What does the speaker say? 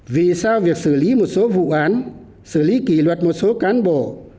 vì sao việc xử lý một số vụ án xử lý kỷ luật một số cán bộ